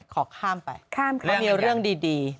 ขอข้ามไปเพราะมีเรื่องดีข้ามไปกัน